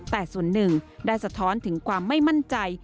แต่ส่วนหนึ่งได้สะท้อนถึงความไม่มั่นใจ